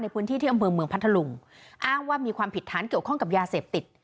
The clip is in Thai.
พื้นที่ที่อำเภอเมืองพัทธลุงอ้างว่ามีความผิดฐานเกี่ยวข้องกับยาเสพติด